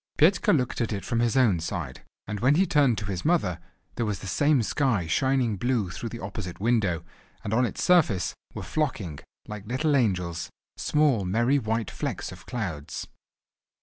Petka looked at it from his own side, and when he turned to his mother, there was the same sky shining blue through the opposite window, and on its surface were flocking—like little angels—small, merry white flecks of clouds.